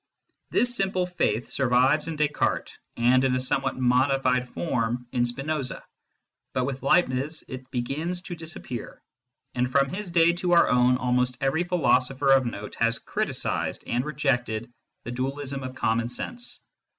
1515 MYSTICISM AND LOGIC survives in Descartes and in a somewhat modified form in Spinoza, but with Leibniz it begins to disappear, and from his day to our own almost every philosopher of note has criticised and rejected the dualism of common sense.